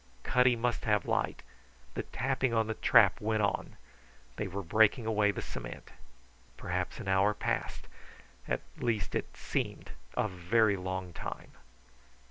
Cutty must have light. The tapping on the trap went on. They were breaking away the cement. Perhaps an hour passed. At least it seemed a very long time.